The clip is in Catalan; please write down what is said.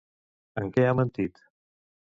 En què ha mentit?